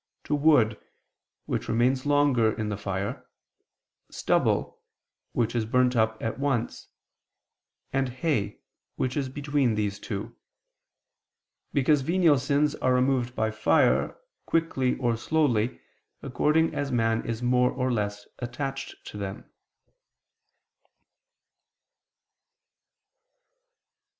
to "wood," which remains longer in the fire; "stubble," which is burnt up at once; and "hay," which is between these two: because venial sins are removed by fire, quickly or slowly, according as man is more or less attached to them.